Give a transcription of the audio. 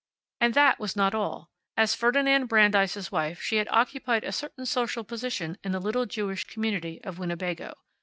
And that was not all. As Ferdinand Brandeis' wife she had occupied a certain social position in the little Jewish community of Winnebago.